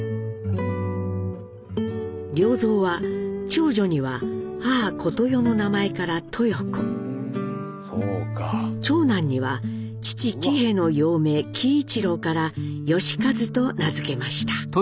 良三は長女には母・小とよの名前からトヨコ長男には父・喜兵衛の幼名喜一郎から喜一と名付けました。